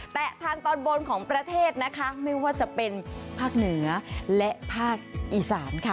แต่ทางตอนบนของประเทศนะคะไม่ว่าจะเป็นภาคเหนือและภาคอีสานค่ะ